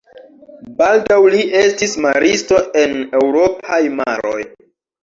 Baldaŭ li estis maristo en eŭropaj maroj.